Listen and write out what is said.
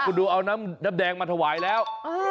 คุณดูเอาน้ำแดงมาถวายแล้ว